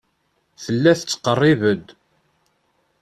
Tella tettqerrib-d.